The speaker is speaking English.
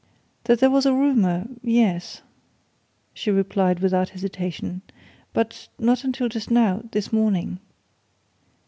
"That there was a rumour yes," she replied without hesitation. "But not until just now this morning."